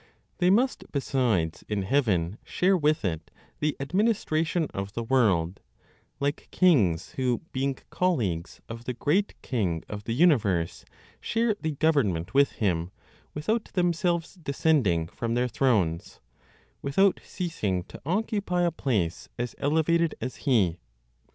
They must besides, in heaven, share with it the administration of the world; like kings who, being colleagues of the great King of the universe, share the government with Him, without themselves descending from their thrones, without ceasing to occupy a place as elevated as He.